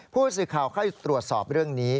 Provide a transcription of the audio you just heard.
ผู้สื่อข่าวเข้าตรวจสอบเรื่องนี้